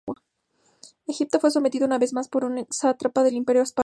Egipto fue sometido una vez más por un sátrapa del Imperio persa.